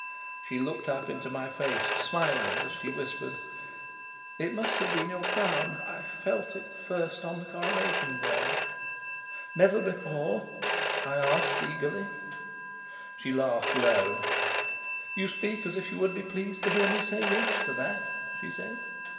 She looked up into my face, smiling, as she whispered: "It must have been your Crown. I felt it first on the Coronation Day." "Never before?" I asked eagerly. She laughed low. "You speak as if you would be pleased to hear me say 'Yes' to that," she said.